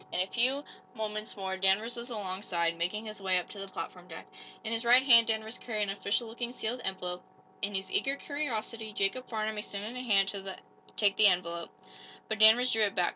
In a few moments more Danvers was along side, making his way up to the platform deck. In his right hand Danvers carried an official looking sealed envelope. In his eager curiosity Jacob Farnum extended a hand to take the envelope, but Danvers drew it back.